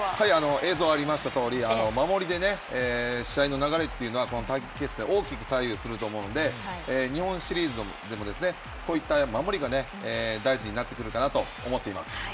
映像にありましたとおり、守りで試合の流れというのはこの短期決戦、大きく左右すると思うので、日本シリーズでも、こういった守りがね、大事になってくるかなと思っています。